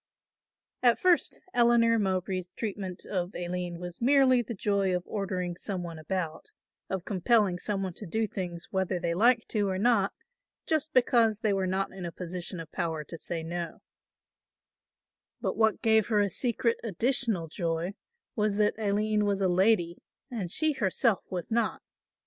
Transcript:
At first Eleanor Mowbray's treatment of Aline was merely the joy of ordering some one about, of compelling some one to do things whether they liked to or not, just because they were not in a position of power to say no; but what gave her a secret additional joy was that Aline was a lady and she herself was not.